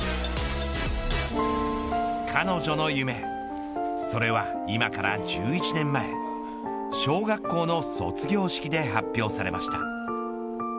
彼女の夢それは今から１１年前小学校の卒業式で発表されました。